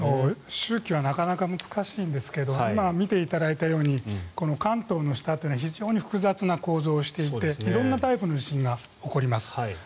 周期はなかなか難しいんですけど今見ていただいたように関東の下というのは非常に複雑な構造をしていて色んなタイプの地震が起こります。